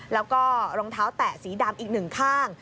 แล้วก็รองเท้าแตะสีดำอีกหนึ่งข้าง